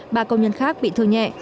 ba công nhân khác bị thương nhẹ